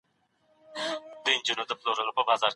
يوسف عليه السلام د خپلو وروڼو لخوا د ظلمونو سره مخ سو